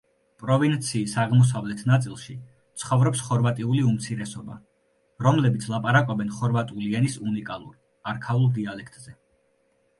პროვინციის აღმოსავლეთ ნაწილში ცხოვრობს ხორვატიული უმცირესობა, რომლებიც ლაპარაკობენ ხორვატული ენის უნიკალურ, არქაულ დიალექტზე.